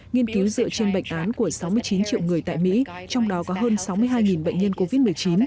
nghiên cứu dựa trên bệnh án của sáu mươi chín triệu người tại mỹ trong đó có hơn sáu mươi hai bệnh nhân covid một mươi chín